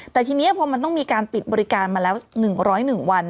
แต่ทีนี้พอมันต้องมีการปิดบริการมาแล้ว๑๐๑วัน